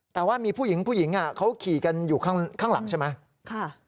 แต่ว่ามีผู้หญิงผู้หญิงเขาขี่กันอยู่ข้างหลังใช่ไหม